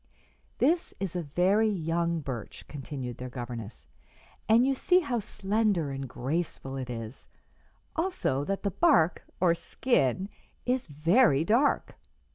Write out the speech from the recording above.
"This is a very young birch," continued their governess, "and you see how slender and graceful it is; also that the bark, or 'skin,' is very dark.